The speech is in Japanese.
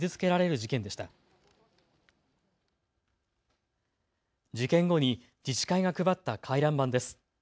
事件後に自治会が配った回覧板です。